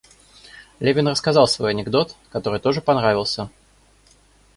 Левин рассказал свой анекдот, который тоже понравился.